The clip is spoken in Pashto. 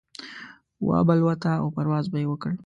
وابه لوته او پرواز به يې وکړ.